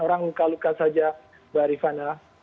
orang luka luka saja mbak rifana